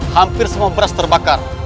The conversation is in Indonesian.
hampir semua beras terbakar